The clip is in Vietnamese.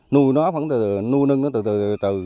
nuôi nó vẫn từ từ nuôi nâng nó từ từ từ từ